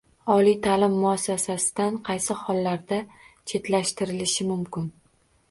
Oliy ta’lim muassasasidan qaysi hollarda chetlashtirilishi mumkin?